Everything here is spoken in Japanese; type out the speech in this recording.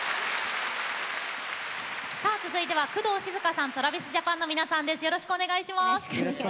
続いては工藤静香さんとＴｒａｖｉｓＪａｐａｎの皆さんです。